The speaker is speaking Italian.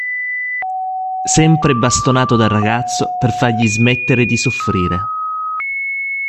Sempre bastonato dal ragazzo per fargli smettere di soffrire.